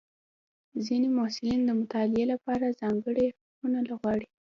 ځینې محصلین د مطالعې لپاره ځانګړې خونه غواړي.